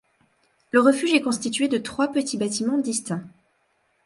Le refuge est constitué de trois petits bâtiments distincts.